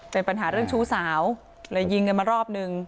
เป็นปัญหาเรื่องชู้สาวเลยยิงกันมารอบนึง